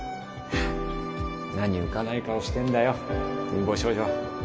何浮かない顔してんだよ貧乏少女